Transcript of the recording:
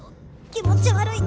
気持ち悪い！